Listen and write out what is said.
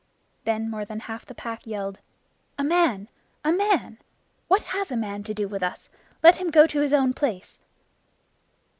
Then more than half the Pack yelled: "A man! A man! What has a man to do with us? Let him go to his own place."